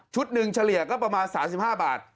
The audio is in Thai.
หนึ่งเฉลี่ยก็ประมาณ๓๕บาท